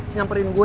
nyamperin gue ya